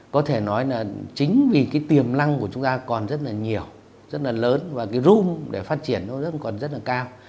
có thể nói là chính vì cái tiềm năng của chúng ta còn rất là nhiều rất là lớn và cái room để phát triển nó còn rất là cao